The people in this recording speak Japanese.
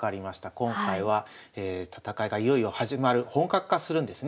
今回は戦いがいよいよ始まる本格化するんですね。